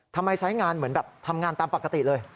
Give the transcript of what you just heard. ไซส์งานเหมือนแบบทำงานตามปกติเลย